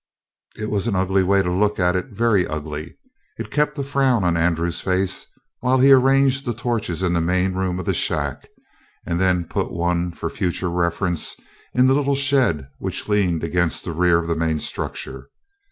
It was an ugly way to look at it very ugly. It kept a frown on Andrew's face, while he arranged the torches in the main room of the shack and then put one for future reference in the little shed which leaned against the rear of the main structure.